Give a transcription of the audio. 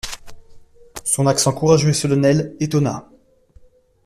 Son accent courageux et solennel étonna.